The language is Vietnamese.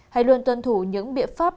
hãy luôn tuân thủ những biện pháp